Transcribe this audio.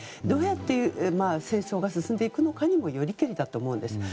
どうやって戦争が進んでいくのかにもよりけりだと思います。